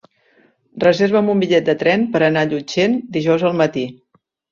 Reserva'm un bitllet de tren per anar a Llutxent dijous al matí.